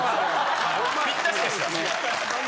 ぴったしでした。